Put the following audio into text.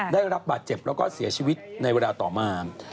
ได้รับบาดเจ็บแล้วก็เสียชีวิตในเวลาต่อมา